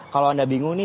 kalau anda bingung nih